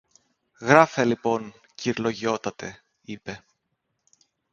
Γράφε λοιπόν, κυρ-λογιότατε, είπε.